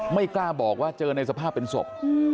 ไม่กล้าบอกว่าเจอในสภาพเป็นศพ